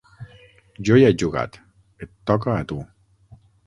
Jo ja he jugat; et toca a tu.